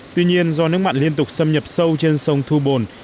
tuy nhiên do nước mặn liên tục xâm nhập sâu trên sông thu bồn